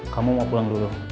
kamu mau pulang dulu